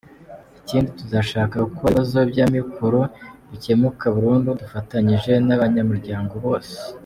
Ikindi, tuzashaka uko ibibazo by’amikoro bikemuka burundu dufatanyije n’abanyamuryango bose.